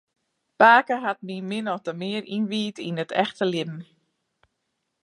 Pake hat my min ofte mear ynwijd yn it echte libben.